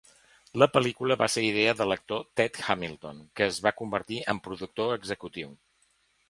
La pel·lícula va ser idea de l'actor Ted Hamilton, que es va convertir en productor executiu.